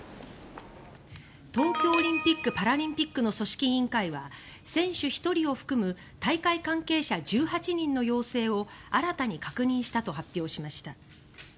東京オリンピック・パラリンピックの組織委員会は選手１人を含む大会関係者１８人の陽性を新たに確認したと発表しました。